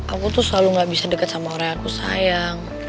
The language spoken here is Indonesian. aku tuh selalu gak bisa deket sama orang yang aku sayang